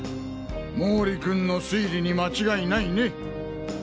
毛利君の推理に間違いないね？